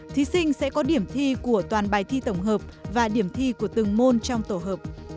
thí sinh sẽ có điểm thi của toàn bài thi tổng hợp và điểm thi của từng môn trong tổ hợp